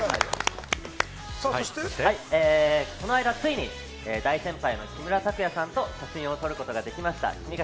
この間ついに大先輩の木村拓哉さんと写真を撮ることができました七五三掛